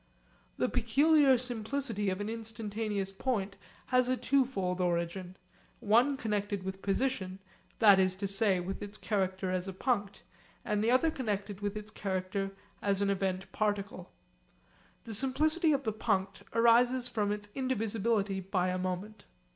The peculiar simplicity of an instantaneous point has a twofold origin, one connected with position, that is to say with its character as a punct, and the other connected with its character as an event particle. The simplicity of the punct arises from its indivisibility by a moment.